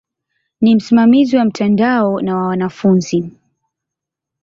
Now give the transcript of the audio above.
Ni msimamizi wa mtandao na wa wanafunzi.